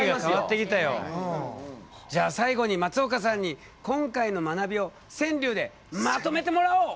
じゃあ最後に松岡さんに今回の学びを川柳でまとめてもらおう。